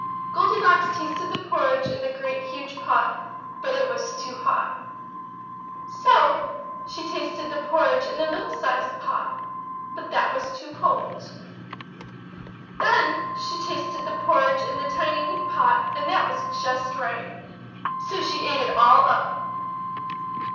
Goldilocks tasted the porridge in the great huge pot, but it was too hot. So she tasted the porridge in the middle sized pot, but that was too cold. Then she tasted the porridge in the tiny wee pot and that was just right. So she ate it all up!